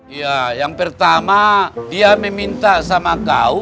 iya yang pertama dia meminta sama kau